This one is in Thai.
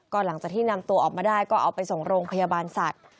หลังจากที่นำตัวออกมาได้ก็เอาไปส่งโรงพยาบาลสัตว์